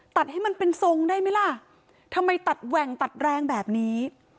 ให้มันเป็นทรงได้ไหมล่ะทำไมตัดแหว่งตัดแรงแบบนี้